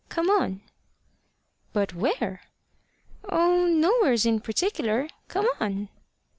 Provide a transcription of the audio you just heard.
Come on." "But where?" "Oh, nowheres in particular. Come on."